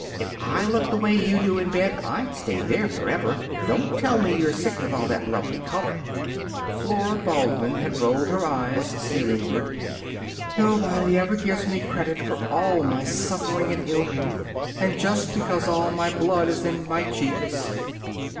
"If I looked the way you do in bed I'd stay there forever. Don't tell me you're sick, with all that lovely color!" Flora Baldwin had rolled her eyes ceilingward. "Nobody ever gives me credit for all my suffering and ill health. And just because all my blood is in my cheeks."